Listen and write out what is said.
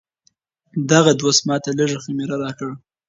دغه دوست ماته لږه خمیره راکړه.